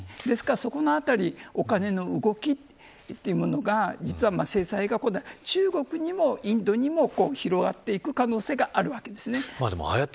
ですから、そこのあたりお金の動きというものが制裁が中国にもインドにも広がっていく可能性があるんです。